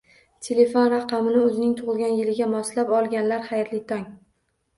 Telefon raqamini o'zining tug'ilgan yiliga moslab olganlar, xayrli tong!